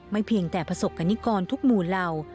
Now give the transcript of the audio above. เพียงแต่ประสบกรณิกรทุกหมู่เหล่า